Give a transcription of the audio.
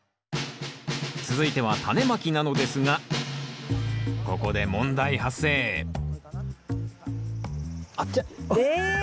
続いてはタネまきなのですがここで問題発生え？